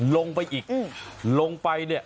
ลงไปอีกลงไปเนี่ย